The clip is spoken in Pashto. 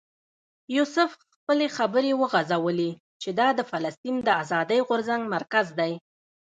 یوسف خپلې خبرې وغځولې چې دا د فلسطین د آزادۍ غورځنګ مرکز دی.